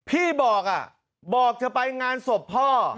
พี่บอกบอกจะไปงานศพพ่อ